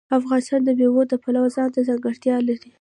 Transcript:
افغانستان د مېوې د پلوه ځانته ځانګړتیا لري.